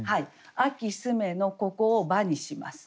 「秋澄め」のここを「ば」にします。